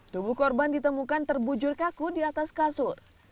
tubuh korban ditemukan terbujur kaku di atas kasur